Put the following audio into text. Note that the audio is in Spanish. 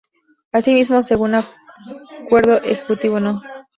Así mismo, según acuerdo ejecutivo No.